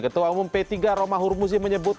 ketua umum p tiga roma hurmusi menyebut